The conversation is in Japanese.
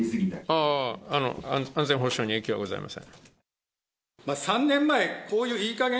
ああ、安全保障に影響はございません。